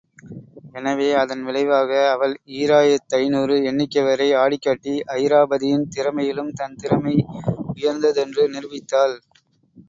எனவே அதன் விளைவாக அவள் ஈராயிரத்தைந்நூறு எண்ணிக்கைவரை ஆடிக்காட்டி, அயிராபதியின் திறமையிலும் தன் திறமை உயர்ந்த தென்று நிரூபித்தாள்.